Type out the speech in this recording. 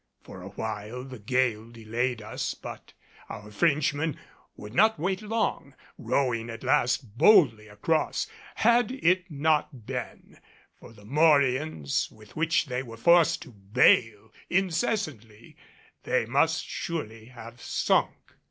For a while the gale delayed us, but our Frenchmen would not wait long, rowing at last boldly across. Had it not been for the morions with which they were forced to bale incessantly, they must surely have sunk.